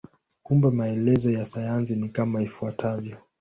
Kumbe maelezo ya sayansi ni kama ifuatavyo.